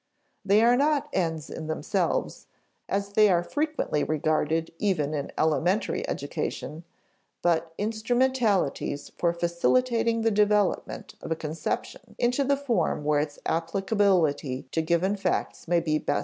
They are not ends in themselves as they are frequently regarded even in elementary education but instrumentalities for facilitating the development of a conception into the form where its applicability to given facts may best be tested.